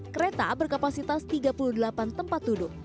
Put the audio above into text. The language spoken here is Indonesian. kereta berkapasitas tiga puluh delapan tempat duduk